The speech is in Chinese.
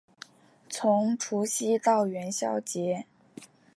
从除夕到元宵节